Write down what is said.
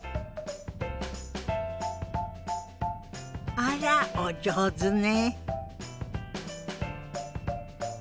あらお上手ね。